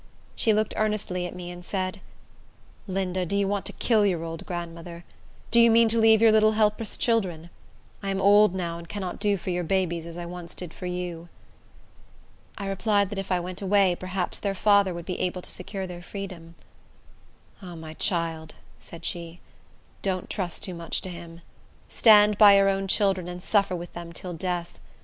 She looked earnestly at me, and said, "Linda, do you want to kill your old grandmother? Do you mean to leave your little, helpless children? I am old now, and cannot do for your babies as I once did for you." I replied, that if I went away, perhaps their father would be able to secure their freedom. "Ah, my child," said she, "don't trust too much to him. Stand by your own children, and suffer with them till death.